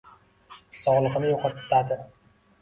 sog‘ligini yo‘qotadi.